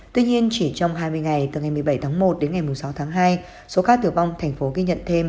tuy nhiên chỉ trong hai mươi ngày từ ngày một mươi bảy tháng một đến ngày sáu tháng hai số ca tử vong thành phố ghi nhận thêm